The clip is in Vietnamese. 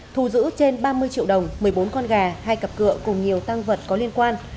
thu giữ trên ba mươi triệu đồng một mươi bốn con gà hai cặp cửa cùng nhiều tăng vật có liên quan